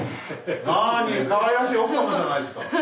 なにかわいらしい奥様じゃないですか。